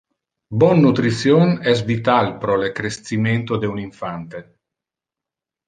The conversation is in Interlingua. Bon nutrition es vital pro le crescimento de un infante.